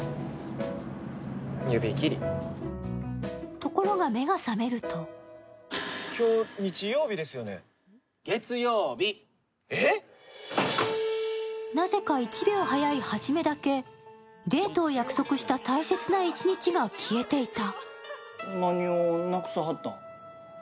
ところが目が覚めるとなぜか１秒早いハジメだけ、デートを約束した大切な一日が消えていた。